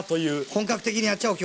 本格的にやっちゃおう